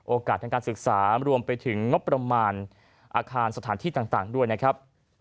ทางการศึกษารวมไปถึงงบประมาณอาคารสถานที่ต่างด้วยนะครับ